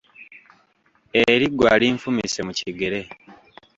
Eriggwa linfumise mu kigere.